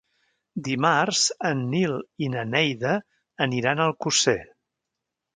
Dimarts en Nil i na Neida aniran a Alcosser.